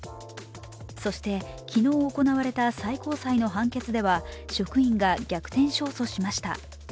そして、昨日行われた最高裁の判決では、職員が逆転勝訴しました。